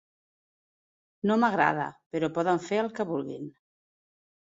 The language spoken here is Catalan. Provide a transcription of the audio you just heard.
No m’agrada, però poden fer el que vulguin.